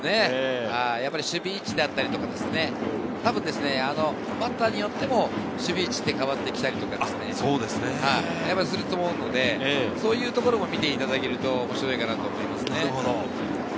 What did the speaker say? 守備位置だったりとか、バッターによっても守備位置が変わってきたりとかすると思うので、そういうところも見ていただけると面白いかなと思います。